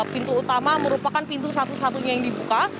pintu utama merupakan pintu satu satunya yang dibuka